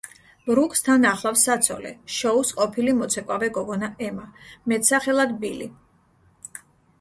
ბრუკს თან ახლავს საცოლე, შოუს ყოფილი მოცეკვავე გოგონა ემა, მეტსახელად ბილი.